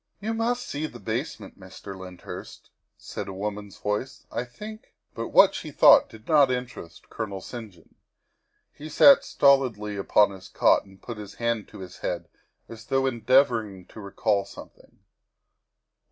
" You must see the basement, Mr. Lyndhurst," said a woman's voice. " I think But what she thought did not interest Colonel St. John. He sat stolidly upon his cot and put his hand to his head as though endeavoring to recall something.